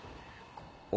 「お」